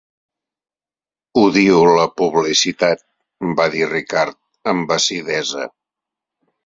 "Odio la publicitat", va dir Ricard amb acidesa.